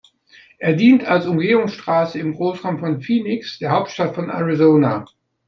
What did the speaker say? Er dient als Umgehungsstraße im Großraum von Phoenix, der Hauptstadt von Arizona.